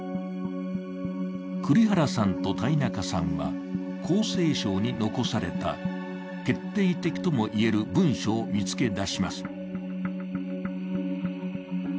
栗原さんと田井中さんは厚生省に残された決定的とも言える文書を見つけ出します。